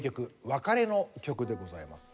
『別れの曲』でございます。